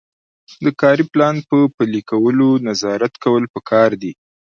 د کاري پلان په پلي کولو نظارت کول پکار دي.